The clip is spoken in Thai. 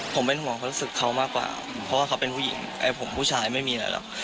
ผมเป็นห่วงความรู้สึกเขามากกว่าเพราะว่าเขาเป็นผู้หญิงไอ้ผมผู้ชายไม่มีอะไรหรอก